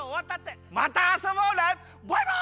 またあそぼうね！